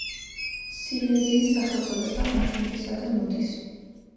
სილეზიის სახელწოდება ამ ჯგუფისაგან მოდის.